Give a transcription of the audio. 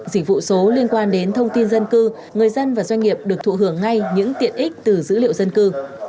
dịch vụ số liên quan đến thông tin dân cư người dân và doanh nghiệp được thụ hưởng ngay những tiện ích từ dữ liệu dân cư